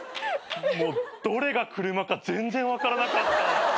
もうどれが車か全然分からなかった。